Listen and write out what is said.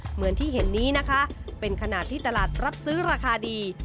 เหมือนที่เห็นนี้นะคะเป็นขณะที่ตลาดรับซื้อราคาดี